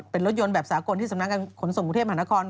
เป็นรถยนต์แบบสากลที่สำนักการขนส่งกรุงเทพมหานคร